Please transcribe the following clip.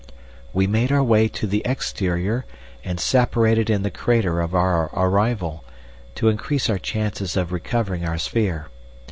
We made our way to the exterior and separated in the crater of our arrival, to increase our chances of recovering our sphere.